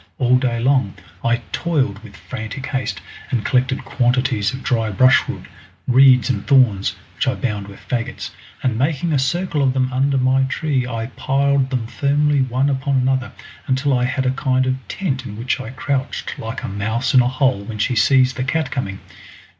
All day long I toiled with frantic haste and collected quantities of dry brushwood, reeds and thorns, which I bound with faggots, and making a circle of them under my tree I piled them firmly one upon another until I had a kind of tent in which I crouched like a mouse in a hole when she sees the cat coming.